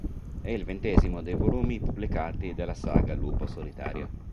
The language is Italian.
È il ventesimo dei volumi pubblicati della saga Lupo Solitario.